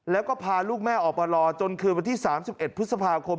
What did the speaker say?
แล้วก็พาลูกแม่ออกมารอจนคืนวันที่๓๑พฤษภาคม